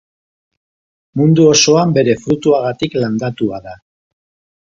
Mundu osoan bere fruituagatik landatua da.